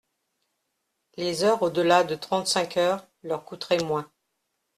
Les heures au-delà de trente-cinq heures leur coûteraient moins.